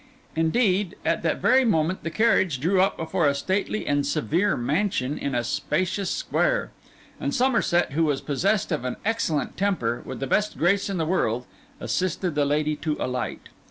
Indeed, at that very moment the carriage drew up before a stately and severe mansion in a spacious square; and Somerset, who was possessed of an excellent temper, with the best grace in the world assisted the lady to alight.